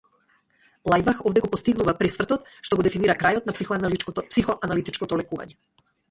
Лајбах овде го постигнува пресвртот што го дефинира крајот на психоаналитичкото лекување.